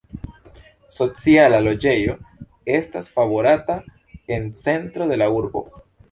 Sociala loĝejo estas favorata en centro de la urbo.